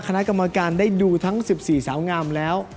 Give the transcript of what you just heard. คณะกรรมการได้ดูทั้ง๑๔สาวงามแล้ว